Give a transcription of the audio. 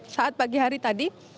saat pagi hari tadi